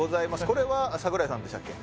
これは櫻井さんでしたっけ？